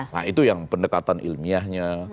nah itu yang pendekatan ilmiahnya